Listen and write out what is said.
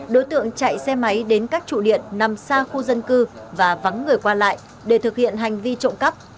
đối tượng chạy xe máy đến các trụ điện nằm xa khu dân cư và vắng người qua lại để thực hiện hành vi trộm cắp